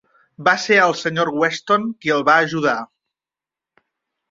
Va ser el Sr. Weston qui el va ajudar.